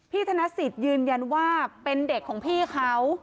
พี่ธนสิตยืนยันว่าเป็นเด็กของพี่เขา